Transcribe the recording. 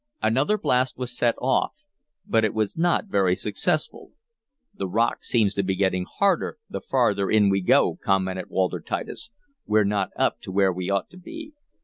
Another blast was set off, but it was not very successful. "The rock seems to be getting harder the farther in we go," commented Walter Titus. "We're not up to where we ought to be."